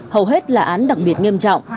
hầu hết là án đặc biệt nghiêm trọng